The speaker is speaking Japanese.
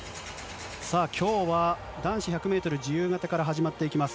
さあ、きょうは男子１００メートル自由形から始まっていきます。